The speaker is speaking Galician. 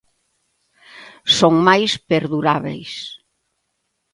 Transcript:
Son máis perdurábeis.